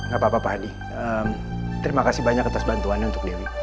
gak apa apa pak hadi terima kasih banyak atas bantuannya untuk dewi